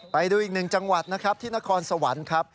ไปดูอีกหนึ่งจังหวัดนะครับที่นครสวรรค์ครับ